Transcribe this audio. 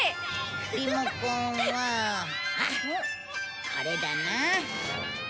リモコンはあっこれだな。